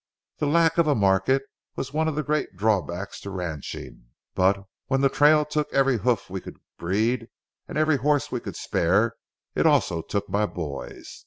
The lack of a market was one of the great drawbacks to ranching, but when the trail took every hoof we could breed and every horse we could spare, it also took my boys.